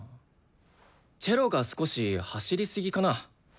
チェロが少し走りすぎかな。